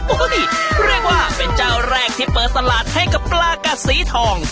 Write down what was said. โอ้โหเรียกว่าเป็นเจ้าแรกที่เปิดตลาดให้กับปลากัดสีทอง